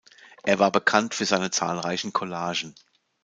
Er war bekannt für seine zahlreichen Collagen.